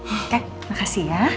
oke makasih ya